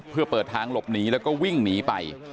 เพื่อเปิดทางหลบหนีแล้วก็วิ่งหนีไป